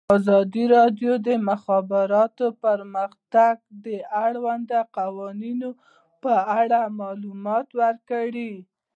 ازادي راډیو د د مخابراتو پرمختګ د اړونده قوانینو په اړه معلومات ورکړي.